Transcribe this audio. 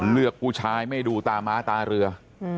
ผู้ชายไม่ดูตาม้าตาเรือ